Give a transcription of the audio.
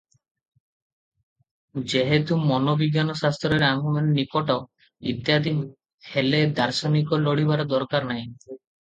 ଯେହେତୁ ମନୋବିଜ୍ଞାନ ଶାସ୍ତ୍ରରେ ଆମ୍ଭେମାନେ ନିପଟ - ଇତ୍ୟାଦି, ହେଲେ ଦାର୍ଶନିକ ଲୋଡିବାର ଦରକାର ନାହିଁ ।